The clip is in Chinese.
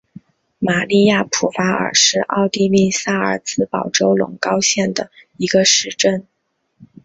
玛丽亚普法尔是奥地利萨尔茨堡州隆高县的一个市镇。